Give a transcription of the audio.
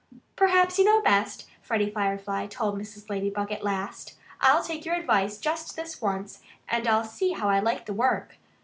"Perhaps you know best," Freddie Firefly told Mrs. Ladybug at last. "I'll take your advice just this once, and I'll see how I like the work.